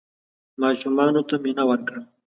ماشومانو ته مینه ورکړه.